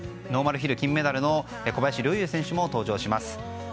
ノーマルヒル金メダルの小林陵侑選手も登場します。